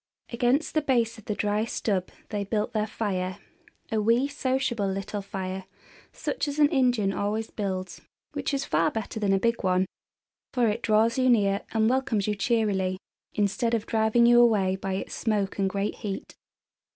Against the base of the dry stub they built their fire, a wee, sociable little fire such as an Indian always builds, which is far better than a big one, for it draws you near and welcomes you cheerily, instead of driving you away by its smoke and great heat.